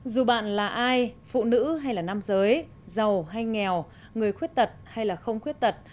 dù bạn là ai phụ nữ hay là nam giới giàu hay nghèo người khuyết tật hay là không khuyết tật